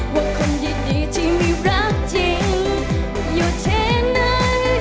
ว่าคนดีที่มีรักจริงอยู่เท่านั้น